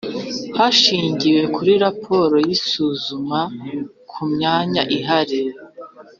hashingiwe kuri raporo y isuzuma ku myanya ihari